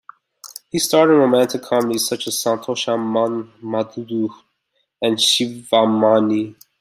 He starred in romantic comedies such as "Santosham", "Manmadhudu", and "Shivamani".